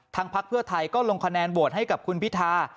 พักเพื่อไทยก็ลงคะแนนโหวตให้กับคุณพิธา